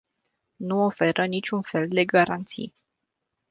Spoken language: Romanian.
Nu oferă niciun fel de garanții.